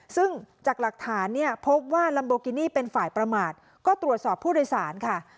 ซึ่งจากหลักฐานเนี่ยพบว่าลัมโบกินี่เป็นฝ่ายประมาทก็ตรวจสอบผู้โดยสารค่ะ